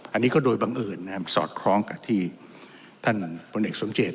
อันนี้ก็โดยบังเอิญนะครับสอดคล้องกับที่ท่านพลเอกสมเจต